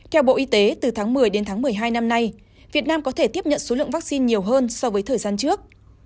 theo bộ y tế từ tháng một mươi đến tháng một mươi hai năm nay việt nam có thể tiếp nhận số lượng vaccine nhiều hơn so với thời gian trước